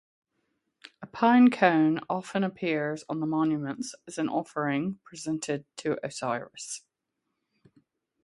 A pine cone often appears on the monuments as an offering presented to Osiris.